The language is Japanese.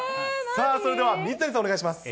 さあ、それでは水谷さん、お願いします。